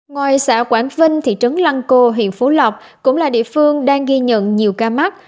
ngoài xã quảng vinh thị trấn lăng cô huyện phú lộc cũng là địa phương đang ghi nhận nhiều ca mắc